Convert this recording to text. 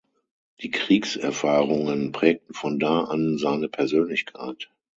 Die Kriegserfahrungen prägten von da an seine Persönlichkeit.